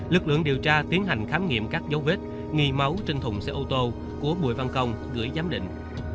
lực lượng điều tra tiến hành khám nghiệm các dấu vết nghi máu trên thùng xe ô tô của bùi văn công gửi giám định